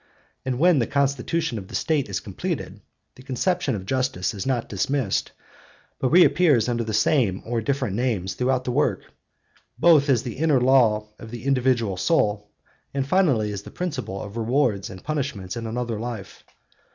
And when the constitution of the State is completed, the conception of justice is not dismissed, but reappears under the same or different names throughout the work, both as the inner law of the individual soul, and finally as the principle of rewards and punishments in another life.